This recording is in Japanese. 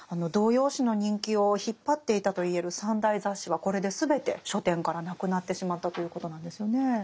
童謡詩の人気を引っ張っていたといえる３大雑誌はこれで全て書店からなくなってしまったということなんですよね。